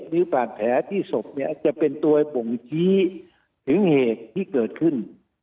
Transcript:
หรือบาดแผลที่ศพเนี่ยจะเป็นตัวบ่งชี้ถึงเหตุที่เกิดขึ้น